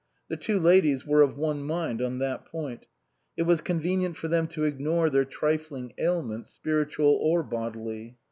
The two ladies were of one mind on that point; it was con venient for them to ignore their trifling ail ments, spiritual or bodily.